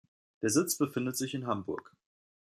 Der Sitz befindet sich in Hamburg.